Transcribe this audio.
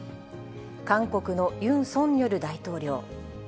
韓国のユン・ソンニョル大統領。